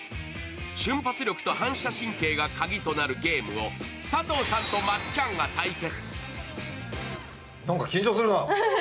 瞬発力と反射神経が鍵となるゲームを佐藤さんとまっちゃんが対決。